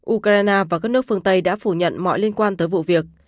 ukraine và các nước phương tây đã phủ nhận mọi liên quan tới vụ việc